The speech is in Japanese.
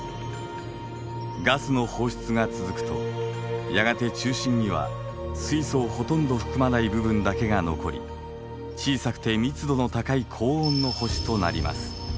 ガスの放出が続くとやがて中心には水素をほとんど含まない部分だけが残り小さくて密度の高い高温の星となります。